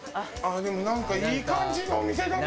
でもなんかいい感じのお店だね。